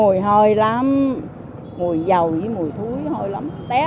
mùi hồi lắm mùi dầu với mùi thúi hồi lắm